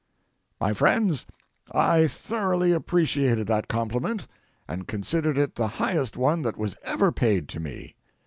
My friends, I thoroughly appreciated that compliment, and considered it the highest one that was ever paid to me.